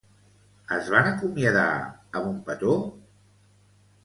Es van acomiadar amb un petó?